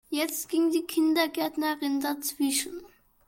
Jetzt ging die Kindergärtnerin dazwischen.